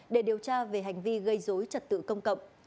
để điều tra về hành vi gây dối trật tự công cộng